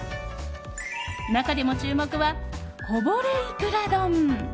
中でも注目は、こぼれいくら丼。